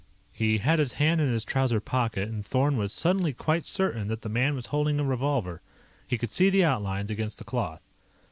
He had his hand in his trouser pocket, and Thorn was suddenly quite certain that the man was holding a revolver. He could see the outlines against the cloth.